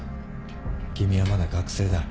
君はまだ学生だ。